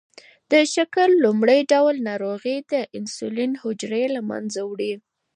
د شکر لومړی ډول ناروغي د انسولین حجرې له منځه وړي.